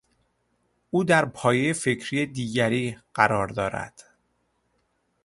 او در پایهی فکری دیگری قرار دارد.